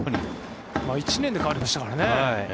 １年で変わりましたからね。